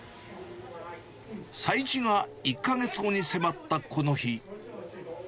催事が１か月後に迫ったこの日。